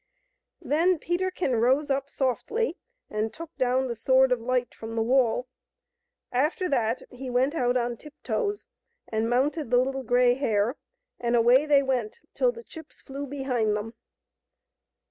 Then Peterkin rose up softly and took down the Sword of Light from the wall. After that he went out on tiptoes and mounted the Little Grey Hare, and away they went till the chips flew behind them.